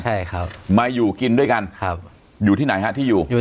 ใช่ครับมาอยู่กินด้วยกันครับอยู่ที่ไหนฮะที่อยู่